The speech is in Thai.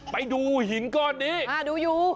ไปดูหินข้อนี้